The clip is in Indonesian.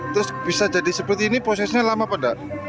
terus bisa jadi seperti ini prosesnya lama apa enggak